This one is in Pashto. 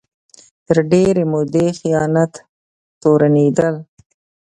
تر ډېرې مودې خیانت تورنېدل